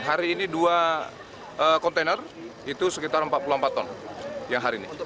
hari ini dua kontainer itu sekitar empat puluh empat ton yang hari ini